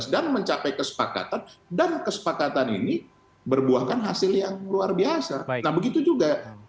dan mencapai kesepakatan dan kesepakatan ini berbuahkan hasil yang luar biasa begitu juga